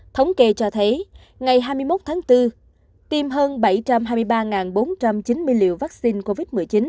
thống kê cho thấy ngày hai mươi một tháng bốn tiêm hơn bảy trăm hai mươi ba bốn trăm chín mươi liều vaccine covid một mươi chín